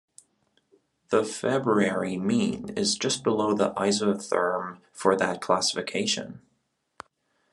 The February mean is just below the isotherm for that classification.